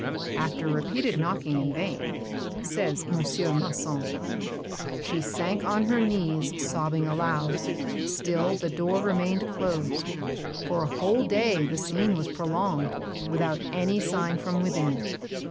"After repeated knocking in vain," says M. Masson, "she sank on her knees sobbing aloud. Still the door remained closed. For a whole day the scene was prolonged, without any sign from within.